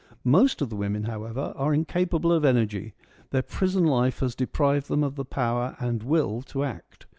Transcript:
Most of the women, however, are incapable of energy : their prison life has deprived them of the power and will to act.